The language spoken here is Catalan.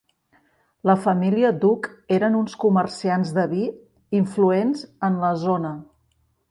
La família Duc eren uns comerciants de vi, influents en la zona.